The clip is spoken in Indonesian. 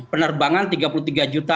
penerbangan tiga puluh tiga juta